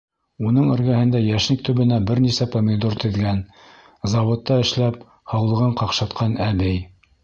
Уның эргәһендә йәшник төбөнә бер нисә помидор теҙгән, заводта эшләп, һаулығын ҡаҡшатҡан әбей: